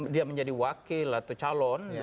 dia menjadi wakil atau calon